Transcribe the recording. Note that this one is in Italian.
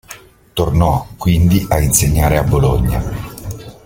Tornò quindi a insegnare a Bologna.